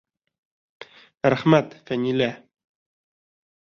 Рәхмәт, Фәнилә!